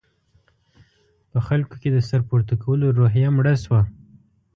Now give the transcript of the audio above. په خلکو کې د سر پورته کولو روحیه مړه شوه.